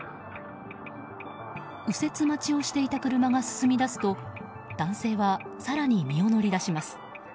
右折待ちをしていた車が進み出すと男性は、更に身を乗り出します。